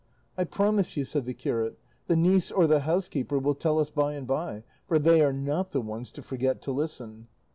"I promise you," said the curate, "the niece or the housekeeper will tell us by and by, for they are not the ones to forget to listen."